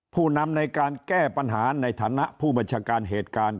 ผู้นำในการแก้ปัญหาในฐานะผู้บัญชาการเหตุการณ์